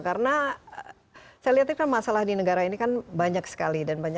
karena saya lihatnya masalah di negara ini kan banyak sekali